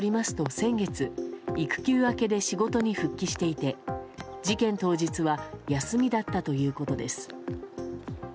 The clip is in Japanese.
先月育休明けで仕事に復帰していて事件当日は休みだったということです。